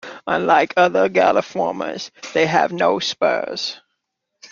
Unlike other Galliformes, they have no spurs.